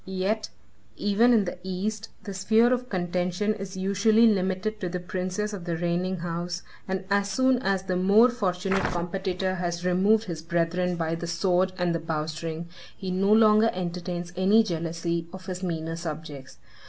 Yet, even in the East, the sphere of contention is usually limited to the princes of the reigning house, and as soon as the more fortunate competitor has removed his brethren by the sword and the bowstring, he no longer entertains any jealousy of his meaner subjects.